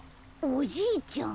おじいちゃん。